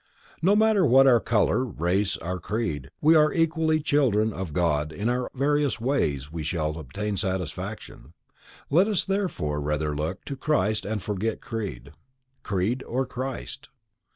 No matter what our color, our race or our creed, we are all equally the children of God and in our various ways we shall obtain satisfaction. Let us therefore rather look to Christ and forget Creed. _Creed or Christ?